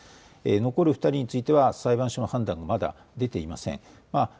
残る２人については裁判所の判断がまだ出ていません。